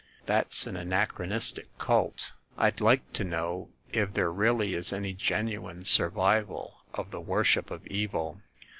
That's an anachronistic cult. I'd like to know if there really is any genuine survival of the worship of Evil?"